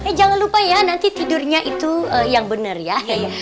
eh jangan lupa ya nanti tidurnya itu yang benar ya